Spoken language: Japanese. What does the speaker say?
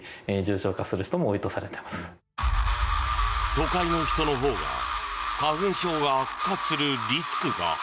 都会の人のほうが花粉症が悪化するリスクが？